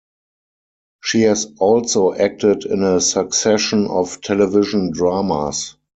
She has also acted in a succession of television dramas.